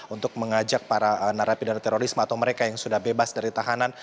untuk mengajak para narapidana terorisme atau mereka yang sudah bebas dari tahanan